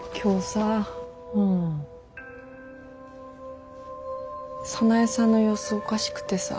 さなえさんの様子おかしくてさ。